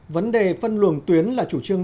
vấn đề phân luồng tuyến là chủ trương